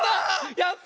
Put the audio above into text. やった！